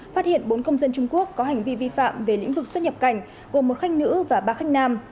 phát hiện bốn công dân trung quốc có hành vi vi phạm về lĩnh vực xuất nhập cảnh gồm một khách nữ và ba khách nam